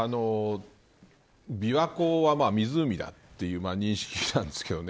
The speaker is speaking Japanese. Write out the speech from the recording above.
琵琶湖は湖だ、という認識なんですけどね